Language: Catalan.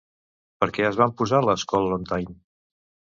Per què es van posar les Kol·lontai?